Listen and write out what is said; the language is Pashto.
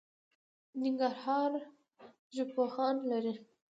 ننګرهار ژبپوهان لري